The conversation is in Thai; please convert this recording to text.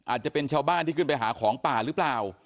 อาจจะเป็นชาวบ้านที่ขึ้นไปหาของป่าหรือเปล่า